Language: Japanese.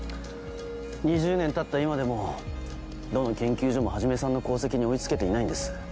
２０年たった今でもどの研究所も始さんの功績に追い付けていないんです。